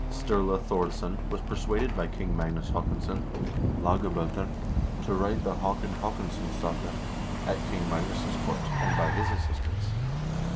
Sturla Thordsson was persuaded by King Magnus Haakonsson (Lagab0ter) to write the "Haakon Haakonssonssaga" at King Magnus' court, and by his assistance.